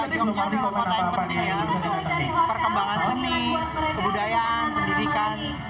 yogyakarta adalah kota yang penting untuk perkembangan seni kebudayaan pendidikan